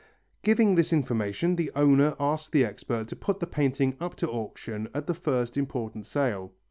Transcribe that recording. Giving this information, the owner asked the expert to put the painting up to auction at the first important sale.